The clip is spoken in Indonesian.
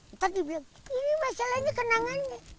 bukan dibilang ini masalahnya kenangannya